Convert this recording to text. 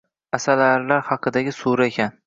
Asalarilar haqidagi sura ekan